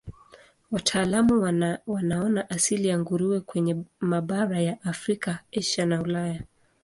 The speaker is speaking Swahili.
Wataalamu wanaona asili ya nguruwe kwenye mabara ya Afrika, Asia na Ulaya.